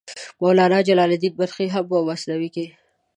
مولانا جلال الدین بلخي هم په مثنوي کې.